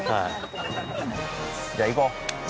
じゃあ行こう。